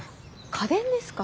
家電ですか。